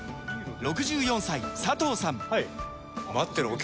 ６４歳佐藤さん